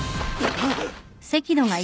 あっ！